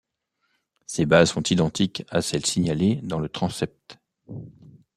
Ces bases sont identiques à celles signalées dans le transept.